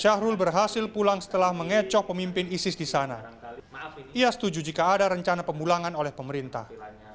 syahrul berhasil pulang setelah mengecok pemimpin isis di sana ia setuju jika ada rencana pemulangan oleh pemerintah